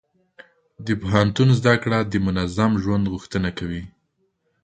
د پوهنتون زده کړه د منظم ژوند غوښتنه کوي.